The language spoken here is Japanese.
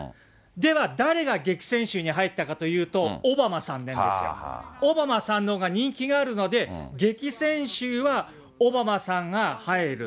では、誰が激戦州に入ったかというと、オバマさんなんですよ。オバマさんのほうが人気があるので、激戦州はオバマさんが入る。